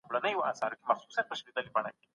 تاسي په خپل موبایل کي د ژبو د زده کړې کومه نښه لرئ؟